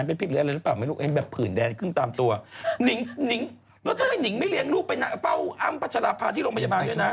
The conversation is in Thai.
เป็นทางมูลบ้านเนี่ยเนี่ย